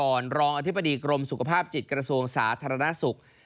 รองอธิบดีกรมสุขภาพจิตกระทรวงสาธารณสุข